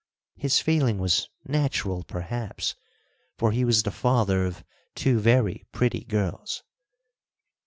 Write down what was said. His feeling was natural, perhaps, for he was the father of two very pretty girls.